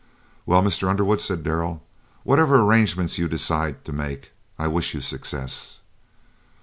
"Well, Mr. Underwood," said Darrell, "whatever arrangements you decide to make, I wish you success."